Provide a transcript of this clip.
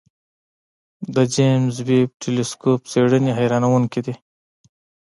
د جیمز ویب ټېلسکوپ څېړنې حیرانوونکې دي.